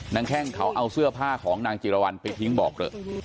แข้งเขาเอาเสื้อผ้าของนางจิรวรรณไปทิ้งบ่อเกลอะ